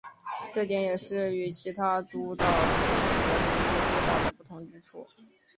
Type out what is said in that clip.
这点也是与其他都道府县的煮物最大的不同之处。